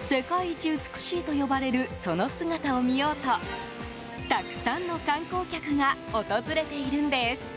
世界一美しいと呼ばれるその姿を見ようとたくさんの観光客が訪れているんです。